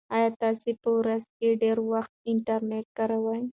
ایا تاسي په ورځ کې ډېر وخت انټرنيټ کاروئ؟